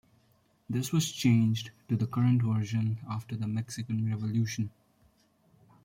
This was changed to the current version after the Mexican Revolution.